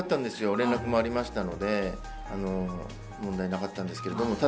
連絡もありましたので問題なかったんですけども、